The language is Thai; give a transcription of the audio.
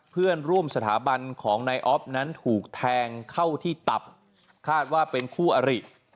เพื่อนร่วมสถาบันของนายอ๊อฟนั้นถูกแทงเข้าที่ตับคาดว่าเป็นคู่อริ